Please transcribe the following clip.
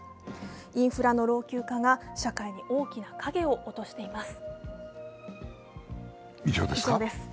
インフラの老朽化が社会に大きな影を落としています。